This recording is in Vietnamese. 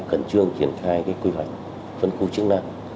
cẩn trương triển khai quy hoạch phân khu chức năng